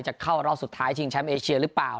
เข้ารอบสุดท้ายชิงแชมป์เอเชียหรือเปล่า